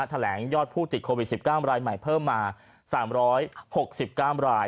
ยอดผู้ติดโควิด๑๙รายใหม่เพิ่มมา๓๖๙ราย